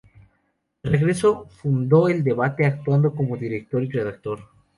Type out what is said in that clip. De regreso fundó "El Debate", actuando como director y redactor.